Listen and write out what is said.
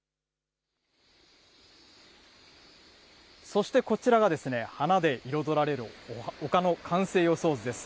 そしてこちらが、花で彩られる丘の完成予想図です。